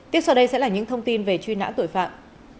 tiếp sau đây sẽ là những thông tin về truy nã tội phạm